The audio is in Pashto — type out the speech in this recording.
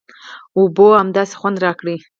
اوبو همداسې خوند راکړ.